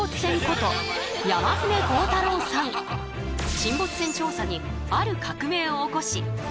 沈没船調査にある革命を起こし世界で大活躍！